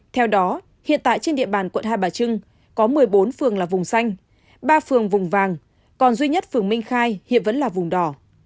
theo đó hiện tại trên địa bàn quận hai bà trưng có một mươi bốn phường là vùng xanh ba phường vùng vàng còn duy nhất phường minh khai hiện vẫn là vùng đỏ